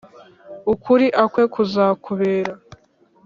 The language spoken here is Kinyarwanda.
Ukuri a kwe kuzakubera